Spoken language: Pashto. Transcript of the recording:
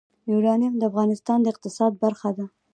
یورانیم د افغانستان د اقتصاد برخه ده.